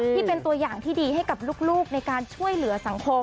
ที่เป็นตัวอย่างที่ดีให้กับลูกในการช่วยเหลือสังคม